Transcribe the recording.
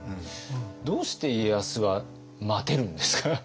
どうして家康は待てるんですか？